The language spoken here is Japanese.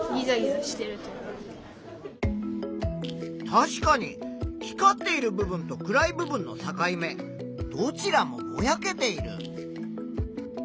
確かに光っている部分と暗い部分の境目どちらもぼやけている。